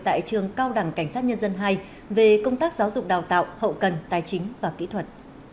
tại trường cao đẳng cảnh sát nhân dân hai về công tác giáo dục đào tạo hậu cần tài chính và kỹ thuật